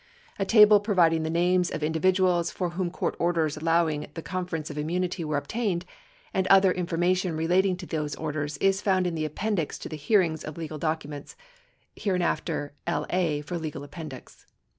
A table providing the names of individuals for whom court orders allowing the conference of immunity were obtained, and other information relating to those orders, is found in the Appendix to the Hearings of Legal Documents (hereinafter "LA" for legal appendix).